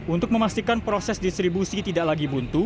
untuk memastikan proses distribusi tidak lagi buntu